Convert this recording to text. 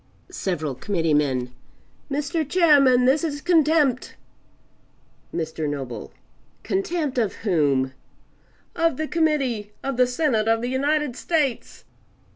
Several Committeemen "Mr. Chairman, this is Contempt!" Mr. Noble "Contempt of whom?" "Of the Committee! Of the Senate of the United States!"